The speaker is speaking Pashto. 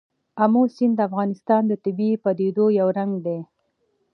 آمو سیند د افغانستان د طبیعي پدیدو یو رنګ دی.